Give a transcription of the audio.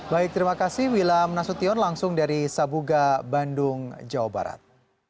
baik terima kasih wilam nasution langsung dari sabuga bandung jawa barat